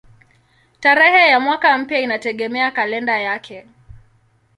Tarehe ya mwaka mpya inategemea kalenda yake.